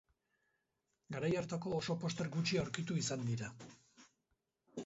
Garai hartako oso poster gutxi aurkitu izan dira.